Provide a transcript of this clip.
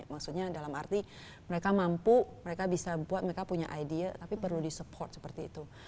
maksudnya dalam arti mereka mampu mereka bisa buat mereka punya ide tapi perlu di support seperti itu